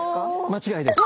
間違いです！